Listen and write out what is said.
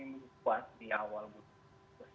menimbulkan di awal agustus